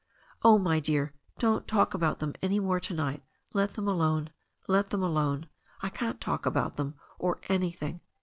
"Oh, my dear, don't talk about them any more to night Let them alone. Let them alone. I can't talk about them, or anything."